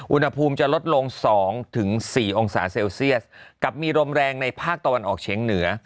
อุณหภูมิจะลดลง๒๔องศาเซลเซียสกับมีลมแรงในภาคตะวันออกเฉียงเหนือ